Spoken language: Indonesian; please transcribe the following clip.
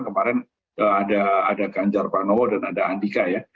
kemarin ada ganjar pranowo dan ada andika ya